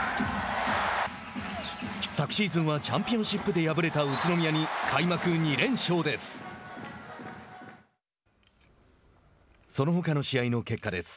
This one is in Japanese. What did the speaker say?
昨シーズンはチャンピオンシップで敗れた宇都宮に開幕２連勝です。